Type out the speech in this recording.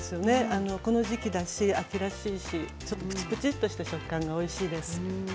この時期らしいし秋らしいしぷちぷちっとした食感がおいしいです。